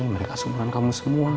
mereka sumberan kamu semua